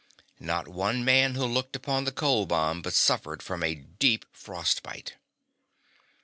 Not one man who looked upon the cold bomb but suffered from a deep frostbite.